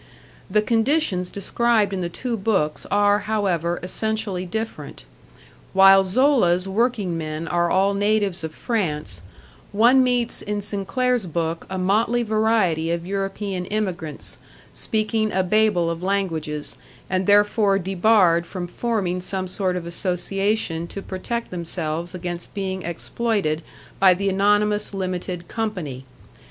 The conditions described in the two books are, however, essentially different. While Zola's working men are all natives of France, one meets in Sinclair's book a motley variety of European emigrants, speaking a Babel of languages and therefore debarred from forming some sort of association to protect themselves against being exploited by the anonymous limited Company.